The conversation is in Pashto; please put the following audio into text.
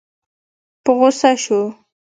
په غوسه شو.